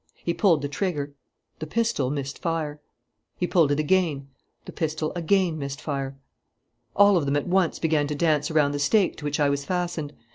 He pulled the trigger. The pistol missed fire. He pulled it again. The pistol again missed fire.... "All of them at once began to dance around the stake to which I was fastened.